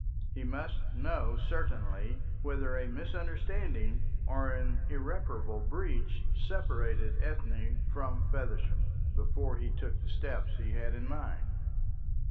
He must know certainly whether a misunderstanding or an irreparable breach separated Ethne from Feversham before he took the steps he had in mind.